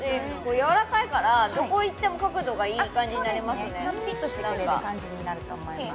やわらかいからどこいっても角度がいい感じになりますねちゃんとフィットしてくれる感じになると思います